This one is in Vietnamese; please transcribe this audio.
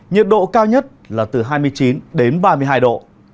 nhiệt độ cao nhất là từ hai mươi chín đến ba mươi hai độ